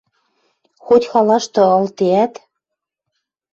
Хоть халашты ылдеӓт: —